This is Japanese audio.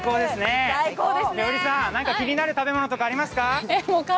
最高ですね、栞里さん、何か気になる食べ物とかありますか？